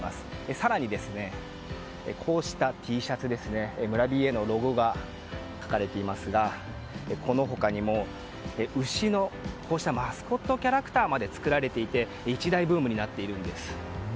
更に、こうしたＴシャツですね村ＢＡのロゴが書かれていますがこの他にも牛のマスコットキャラクターまで作られて一大ブームになっているんです。